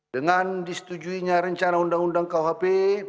dengan disetujuinya rencana undang undang kuhp